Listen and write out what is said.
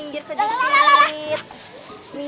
kayak kalau mengganggu kayak tolong